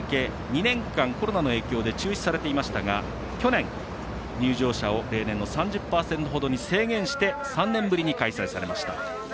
２年間、コロナの影響で中止されていましたが去年、入場者を例年の３０％ほどに制限して３年ぶりに開催されました。